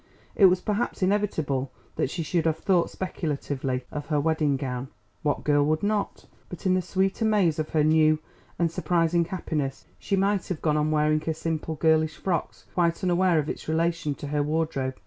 It was perhaps inevitable that she should have thought speculatively of her wedding gown; what girl would not? But in the sweet amaze of her new and surprising happiness she might have gone on wearing her simple girlish frocks quite unaware of its relation to her wardrobe.